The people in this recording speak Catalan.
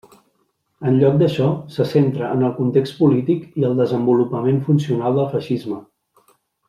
En lloc d'això, se centra en el context polític i el desenvolupament funcional del feixisme.